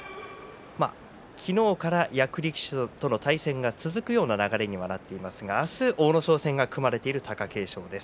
昨日から役力士との対戦が続くような流れにはなっていますが、明日阿武咲戦が組まれている貴景勝です。